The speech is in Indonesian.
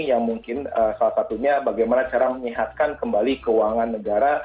yang mungkin salah satunya bagaimana cara menyehatkan kembali keuangan negara